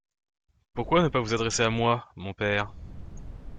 Pourquoi ne pas vous adresser à moi, mon père ?…